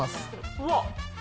うわっ。